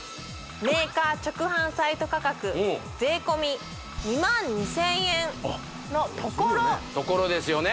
メーカー直販サイト価格税込２２０００円のところところですよね